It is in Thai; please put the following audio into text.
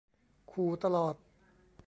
ขู่ตลอด